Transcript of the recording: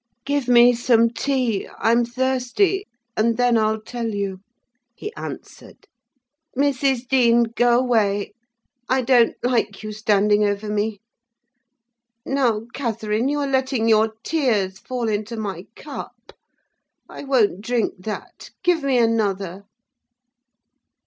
"Give me some tea, I'm thirsty, and then I'll tell you," he answered. "Mrs. Dean, go away. I don't like you standing over me. Now, Catherine, you are letting your tears fall into my cup. I won't drink that. Give me another."